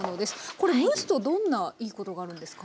これ蒸すとどんないいことがあるんですか？